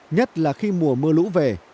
nhất là khi mùa mưa lũ về